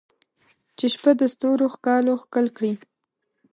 چې شپه د ستورو ښکالو ښکل کړي